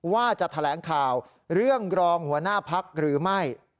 ว่าจะแถลงข่าวเรื่องรองหัวหน้าพักหรือไม่